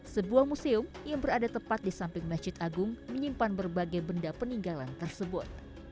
sebuah museum yang berada tepat di samping masjid agung menyimpan berbagai benda peninggalan tersebut